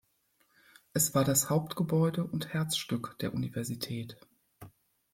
Es war das Hauptgebäude und Herzstück der Universität.